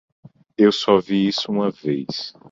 Eu só vi isso uma vez.